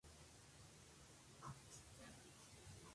Fue dirigida por Clarence Brown y producida por Sidney Franklin.